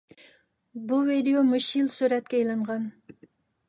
بۇ ۋىدىيو مۇشۇ يىل سۈرەتكە ئېلىنغان.